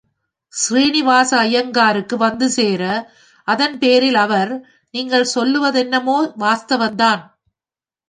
ஸ்ரீனிவாச ஐயங்காருக்கு வந்து சேர, அதன்பேரில் அவர், நீங்கள் சொல்வதென்னமோ வாஸ்தவம்தான்.